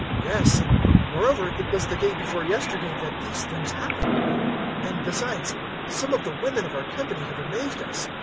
Yes, and moreover it was the day before yesterday that these things happened. 024:022 And, besides, some of the women of our company have amazed us.